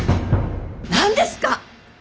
何ですか！